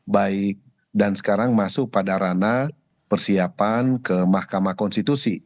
baik dan sekarang masuk pada ranah persiapan ke mahkamah konstitusi